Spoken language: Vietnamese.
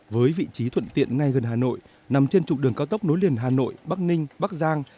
với vị trí thuận tiện ngay gần hà nội nằm trên trục đường cao tốc nối liền hà nội bắc ninh bắc giang